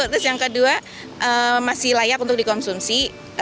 terus yang kedua masih layak untuk dikonsumsi